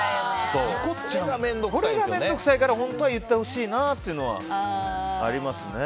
それが面倒くさいから本当は言ってほしいなというのはありますね。